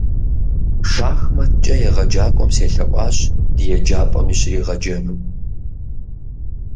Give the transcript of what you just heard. Шахматкӏэ егъэджакӏуэм селъэӏуащ ди еджапӏэми щригъэджэну.